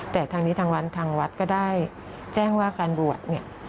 แต่ทางนี้ทางวัดทางวัดก็ได้แจ้งว่าการบวชเนี่ย